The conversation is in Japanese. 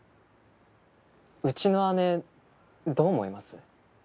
うちの姉どう思います？